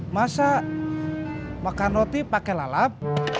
masa makan roti pakai lalap